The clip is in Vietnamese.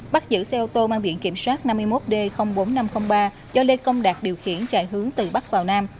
bắt giữ xe ô tô mang biển kiểm soát năm mươi một d bốn nghìn năm trăm linh ba do lê công đạt điều khiển chạy hướng từ bắc vào nam